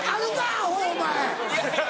アホお前。